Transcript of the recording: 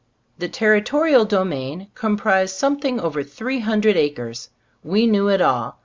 The territorial domain com prised something over three hundred acres. We knew it all.